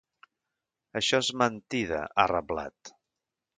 Això és mentida, ha reblat.